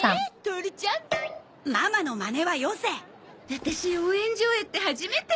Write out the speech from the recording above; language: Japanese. ワタシ応援上映って初めて。